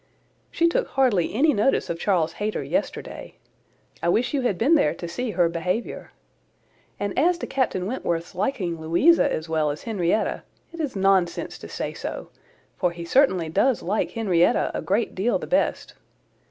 She took hardly any notice of Charles Hayter yesterday. I wish you had been there to see her behaviour. And as to Captain Wentworth's liking Louisa as well as Henrietta, it is nonsense to say so; for he certainly does like Henrietta a great deal the best.